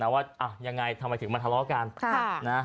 ว่ายังไงทำไมถึงมาทะเลาะกัน